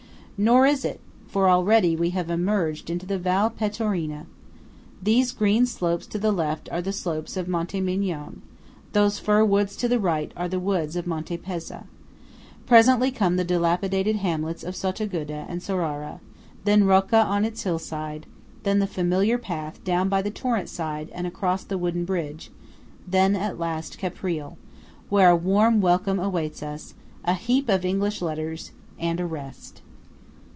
Nor is it; for already we have emerged into the Val Pettorina. These green slopes to the left are the slopes of Monte Migion; these fir woods to the right are the woods of Monte Pezza. Presently come the dilapidated hamlets of Sottoguda and Sorara; then Rocca on its hillside; then the familiar path down by the torrent side and across the wooden bridge; then at last Caprile, where a warm welcome awaits us, a heap of English letters, and rest.